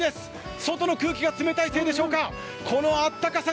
外の空気が冷たいせいでしょうか。